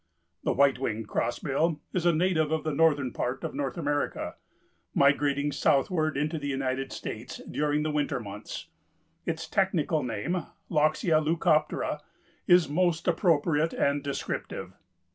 The White Winged Crossbill is a native of the northern part of North America, migrating southward into the United States during the winter months. Its technical name, Loxia leucoptera, is most appropriate and descriptive.